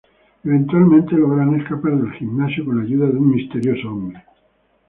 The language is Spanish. Eventualmente logran escapar del gimnasio con la ayuda de un misterioso hombre.